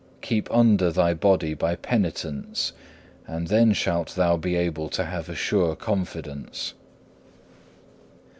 Keep under thy body by penitence, and then shalt thou be able to have a sure confidence.